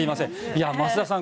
増田さん